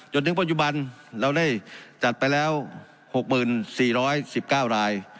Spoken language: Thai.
จนถึงปัจจุบันเราได้จัดไปแล้ว๖๔๑๙ราย